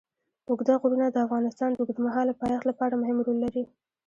اوږده غرونه د افغانستان د اوږدمهاله پایښت لپاره مهم رول لري.